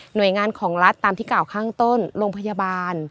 โดยงานของรัฐตามที่กล่าวข้างต้นโรงพยาบาล